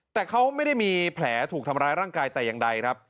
แต่เขาไม่ได้มีแผลถูกทำร้ายร่างกายแต่อย่างใดครับ